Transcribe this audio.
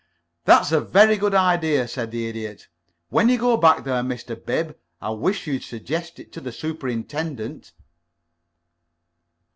"That's a very good idea," said the Idiot. "When you go back there, Mr. Bib, I wish you'd suggest it to the superintendent."